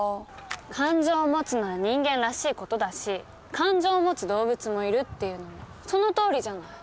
感情を持つのは人間らしい事だし感情を持つ動物もいるっていうのもそのとおりじゃない。